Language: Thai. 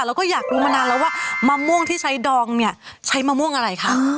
เราก็อยากรู้มานานแล้วว่ามะม่วงที่ใช้ดองเนี่ยใช้มะม่วงอะไรคะ